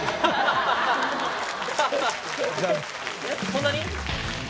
そんなに？